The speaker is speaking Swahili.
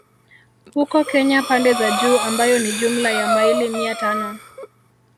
Huko Kenya pande za juu ambayo ni jumla ya maili mia tano